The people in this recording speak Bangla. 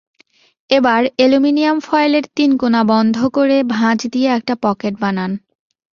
এবার অ্যালুমিনিয়াম ফয়েলের তিন কোনা বন্ধ করে ভাঁজ দিয়ে একটা পকেট বানান।